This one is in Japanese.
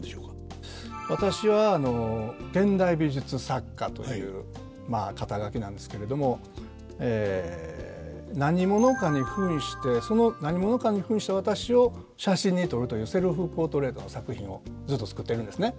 私は現代美術作家というまあ肩書なんですけれども何者かにふんしてその何者かにふんした私を写真に撮るというセルフポートレートの作品をずっと作ってるんですね。